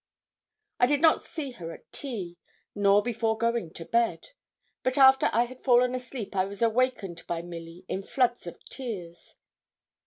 I did not see her at tea, nor before going to bed; but after I had fallen asleep I was awakened by Milly, in floods of tears.